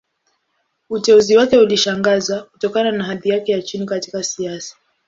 Uteuzi wake ulishangaza, kutokana na hadhi yake ya chini katika siasa.